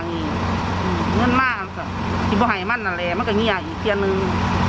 เนี้ยเงินมากส่ะชิบว่าใหม่มันอะไรมันก็เงี้ยอีกเทียนหนึ่ง